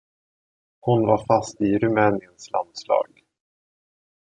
Hon var fast i Rumäniens landslag